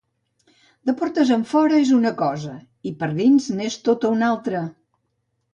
De portes enfora és una cosa, i per dins n'és tota una altra.